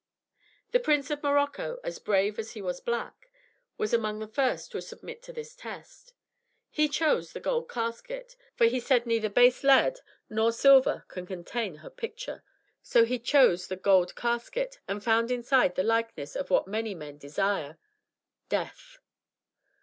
The Prince of Morocco, as brave as he was black, was among the first to submit to this test. He chose the gold casket, for he said neither base lead nor silver could contain her picture. So he chose the gold casket, and found inside the likeness of what many men desire death.